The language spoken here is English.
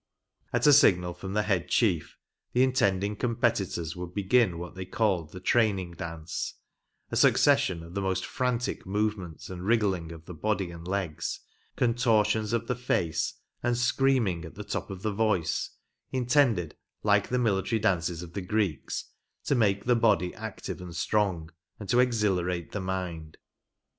At a signal from the head chief, the intending competitors would begin what they called the training dance, ‚ÄĒ a succession of the most frantic movements and wriggling of the body and legs, contortions of the face, and screaming at the top of the voice, intended, like the military dances of the Greeks, to make the body active and strong, and to exhilirate the mind.